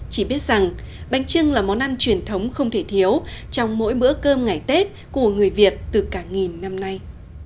chỉ biết rằng bánh trưng là món ăn truyền thống không thể thiếu trong mỗi bữa cơm ngày tết của người việt từ cả nghìn năm nay